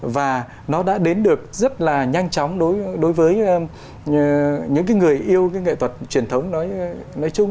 và nó đã đến được rất là nhanh chóng đối với những người yêu cái nghệ thuật truyền thống nói chung